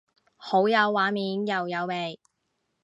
好有畫面又有味